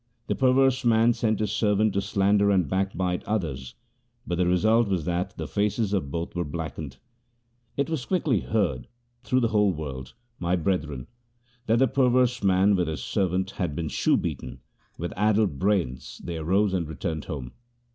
The perverse man sent his servant to slander and backbite others, but the result was that the faces of both were blackened. It was quickly heard through the whole world, my brethren, that the perverse man with his servant had been shoe beaten ; with addled brains they arose and returned home.